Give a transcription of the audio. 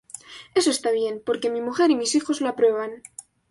Eso está bien, porque mi mujer y mis hijos lo aprueban.